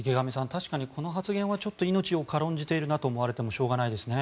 確かにこの発言はちょっと命を軽んじているなと思われてもしょうがないですね。